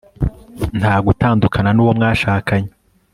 nta gutandukana nu wo mwashakanye